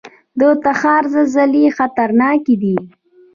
د تخار زلزلې خطرناکې دي